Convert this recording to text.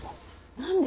何で？